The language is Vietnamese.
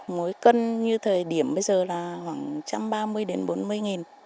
mỗi cân như thời điểm bây giờ là khoảng một trăm ba mươi đến bốn mươi nghìn